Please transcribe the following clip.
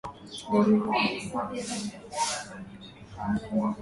Dalili za homa ya bonde la ufa kwa mnyama aliyekufa